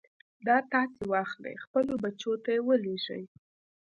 دا تاسې واخلئ خپلو بچو ته يې ولېږئ.